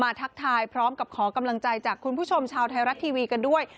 ทักทายพร้อมกับขอกำลังใจจากคุณผู้ชมชาวไทยรัฐทีวีกันด้วย